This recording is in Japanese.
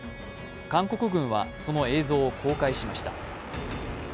韓国軍はその映像を公開しました。